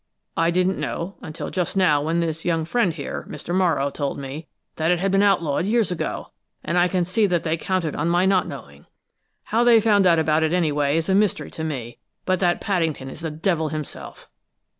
I didn't know until just now when this young friend here, Mr. Morrow, told me that it had been outlawed long years ago, and I can see that they counted on my not knowing. How they found out about it, anyway, is a mystery to me, but that Paddington is the devil himself!